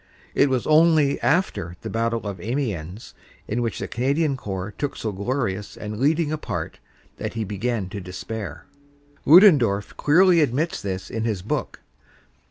It was only after the Battle i 2 CANADA S HUNDRED DAYS of Amiens, in which the Canadian Corps took so glorious and leading a part, that he began to despair. Ludendorff clearly admits this in his book.